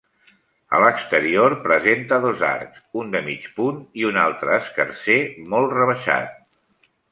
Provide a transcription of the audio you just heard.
A l'exterior presenta dos arcs, un de mig punt i un altre escarser molt rebaixat.